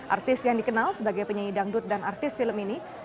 artis yang dikenal sebagai penyanyi dangdut dan artis film ini